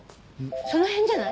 その辺じゃない？